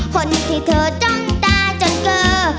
คนที่เธอจ้องตาจนเจอ